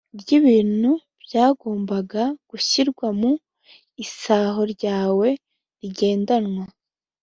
ry ibintu byagombye gushyirwa mu isaho ryawe rigendanwa